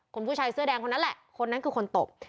คุณผู้ชายเสื้อแดงคนนั้นแหละคนนั้นคือคนตบ